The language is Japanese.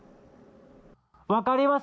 分かります？